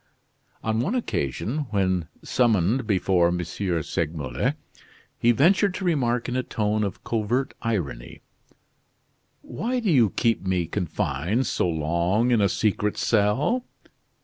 On one occasion, when summoned before M. Segmuller, he ventured to remark in a tone of covert irony: "Why do you keep me confined so long in a secret cell?